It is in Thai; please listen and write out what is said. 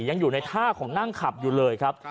ยังอยู่ในท่าของนั่งขับอยู่เลยครับ